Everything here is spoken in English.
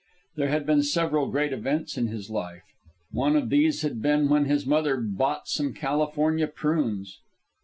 There had been several great events in his life. One of these had been when his mother bought some California prunes.